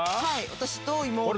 私と妹と。